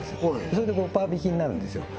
それで５％引きになるんですよ